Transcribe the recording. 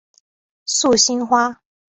素兴花